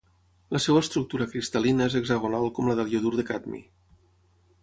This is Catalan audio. La seva estructura cristal·lina és hexagonal com la del iodur de cadmi.